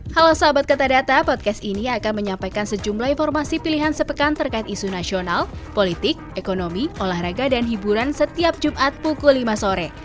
halo sahabat kata podcast ini akan menyampaikan sejumlah informasi pilihan sepekan terkait isu nasional politik ekonomi olahraga dan hiburan setiap jumat pukul lima sore